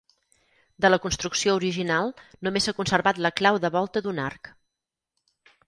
De la construcció original només s'ha conservat la clau de volta d'un arc.